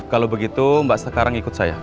kalau begitu mbak sekarang ikut saya